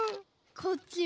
こっちは。